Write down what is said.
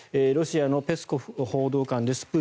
ロシアのペスコフ報道官です。